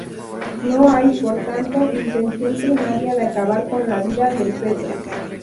No hay, por tanto, intención primaria de acabar con la vida del feto.